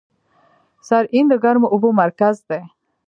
سرعین د ګرمو اوبو مرکز دی.